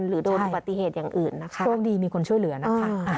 หรือโดนอุบัติเหตุอย่างอื่นนะคะโชคดีมีคนช่วยเหลือนะคะ